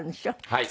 はい。